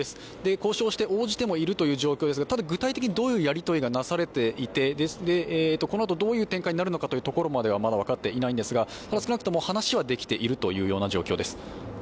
交渉して応じてもいるという状況ですが具体的にどういうやり取りがなされていてこのあとどういう展開になるかというところまではまだ分かっていないんですがただ、少なくとも話はできているという状況です。